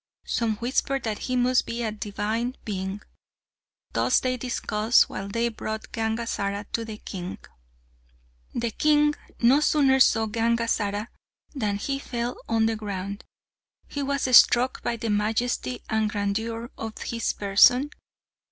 Some whispered that he must be a divine being. Thus they discussed, while they brought Gangazara to the king. The king no sooner saw Gangazara than he fell on the ground. He was struck by the majesty and grandeur of his person.